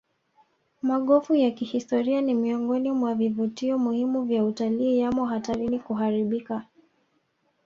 Magofu ya kihistoria ni miongoni mwa vivutio muhimu vya utalii yamo hatarini kuharibika